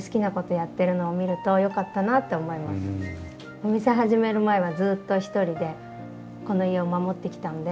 お店始める前はずっと一人でこの家を守ってきたので。